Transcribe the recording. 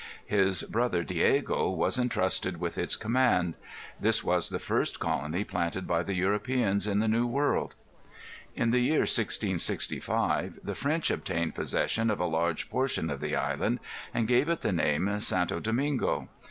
His brother, Diego, was intrusted with its command. This was the first colony planted by the Europeans in the New World. In the year 1665, the French obtained possession of a large portion of the island, and gave it the name St. Domingo.